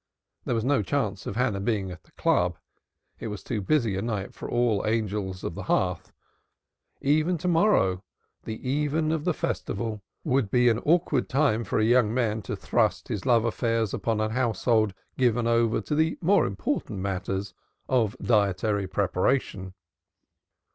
There was no chance of Hannah being at the club, it was too busy a night for all angels of the hearth; even to morrow, the even of the Festival, would be an awkward time for a young man to thrust his love affairs upon a household given over to the more important matters of dietary preparation.